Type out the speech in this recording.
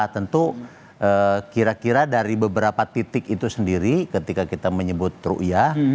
tentu kira kira dari beberapa titik itu sendiri ketika kita menyebut ⁇ ruiyah ⁇